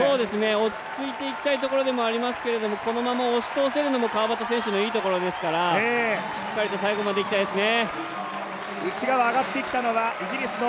落ち着いていきたいところでもありますけれども、このまま押し通せるのも川端選手のいいところですから、しっかりと最後までいきたいですね。